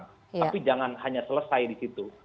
tapi jangan hanya selesai di situ